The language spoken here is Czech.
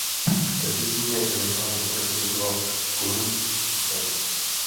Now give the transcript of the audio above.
V Terezíně ilegálně organizoval komunistickou stranu.